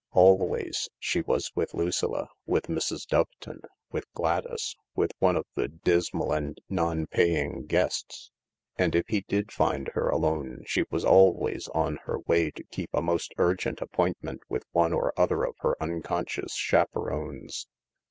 Always she was with Lucilla, with Mrs. Doveton, with Gladys, with one of the dismal and non pa ying guests ; and if he did find her alone she was always on her way to keep a most urgent appointment with one or other of her unconscious chaperones.